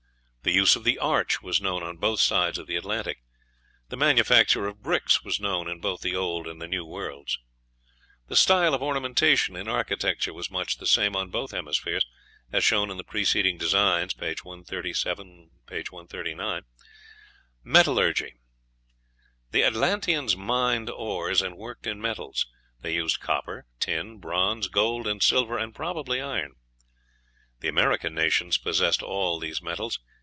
The use of the arch was known on both sides of the Atlantic. The manufacture of bricks was known in both the Old and New Worlds. The style of ornamentation in architecture was much the same on both hemispheres, as shown in the preceding designs, pages 137, 139. Metallurgy. The Atlanteans mined ores, and worked in metals; they used copper, tin, bronze, gold, and silver, and probably iron. The American nations possessed all these metals.